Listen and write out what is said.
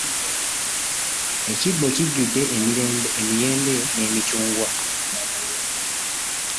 Ekibbo kijjudde emiyembe n'emicungwa.